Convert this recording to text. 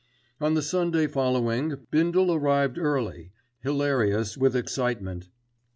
On the Sunday following Bindle arrived early, hilarious with excitement.